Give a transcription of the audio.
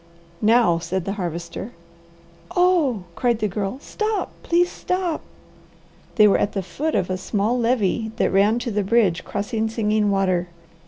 "Now!" said the Harvester. "Oh," cried the Girl. "Stop! Please stop!" They were at the foot of a small levee that ran to the bridge crossing Singing Water.